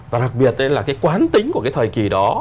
và đặc biệt ấy là cái quán tính của cái thời kì đó